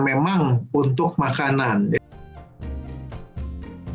memang untuk makanan